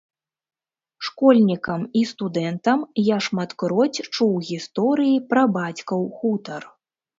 Школьнікам і студэнтам я шматкроць чуў гісторыі пра бацькаў хутар.